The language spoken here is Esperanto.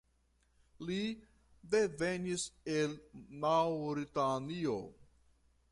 Li devenis el Maŭritanio.